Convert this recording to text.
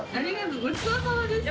ごちそうさまでした。